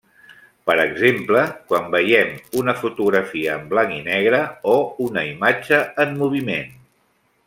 Per exemple, quan veiem una fotografia en blanc i negre o una imatge en moviment.